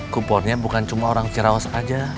kuponnya bukan cuma orang ciraut saja